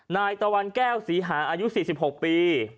นายตะวันแก้วศรีหาอายุ๔๖ปี